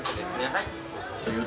はい。